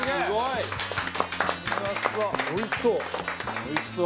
おいしそう。